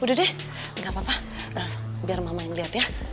udah deh gak apa apa biar mama yang lihat ya